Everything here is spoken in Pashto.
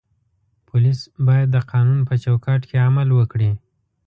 پولیس باید د قانون په چوکاټ کې عمل وکړي.